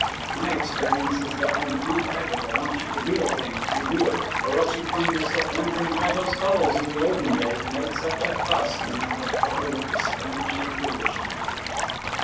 My experience is that when Aunt Agatha wants you to do a thing you do it, or else you find yourself wondering why those fellows in the olden days made such a fuss when they had trouble with the Spanish Inquisition.